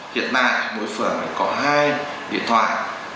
hiện tại mỗi phường có hai điện thoại